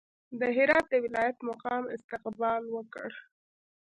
د هرات د ولایت مقام استقبال وکړ.